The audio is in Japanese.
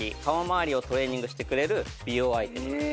まわりをトレーニングしてくれる美容アイテムなんです。